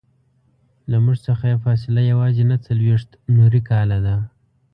له موږ څخه یې فاصله یوازې نهه څلویښت نوري کاله ده.